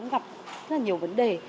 rất là nhiều vấn đề